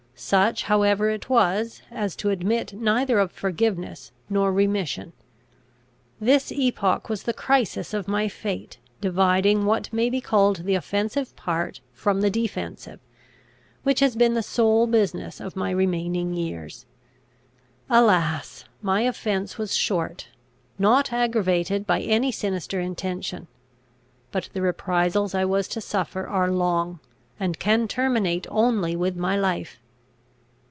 Such however it was, as to admit neither of forgiveness nor remission. This epoch was the crisis of my fate, dividing what may be called the offensive part from the defensive, which has been the sole business of my remaining years. Alas! my offence was short, not aggravated by any sinister intention: but the reprisals I was to suffer are long, and can terminate only with my life!